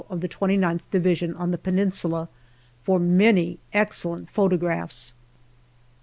of the 2Qth Division on the Peninsula, for many excellent photographs.